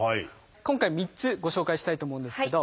今回３つご紹介したいと思うんですけど。